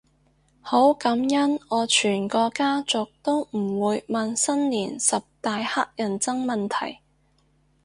好感恩我全個家族都唔會問新年十大乞人憎問題